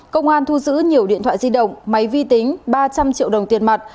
công an thu giữ nhiều điện thoại di động máy vi tính ba trăm linh triệu đồng tiền mặt